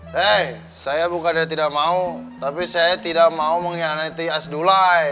hei saya bukannya tidak mau tapi saya tidak mau mengkhianati asdulai